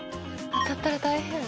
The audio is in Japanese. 当たったら大変。